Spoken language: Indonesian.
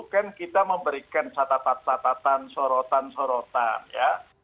kan kita memberikan catatan catatan sorotan sorotan ya